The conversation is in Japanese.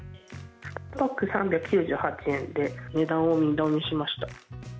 １パック３９８円で値段を二度見しました。